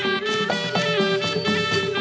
สวัสดีครับ